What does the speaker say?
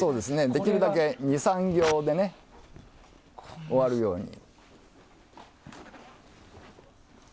できるだけ２３行で終わるように。